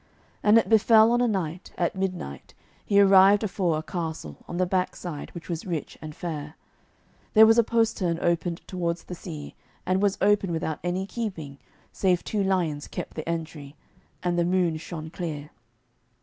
And it befell on a night, at midnight, he arrived afore a castle, on the back side, which was rich and fair. There was a postern opened towards the sea, and was open without any keeping, save two lions kept the entry; and the moon shone clear.